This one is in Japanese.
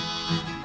ああ。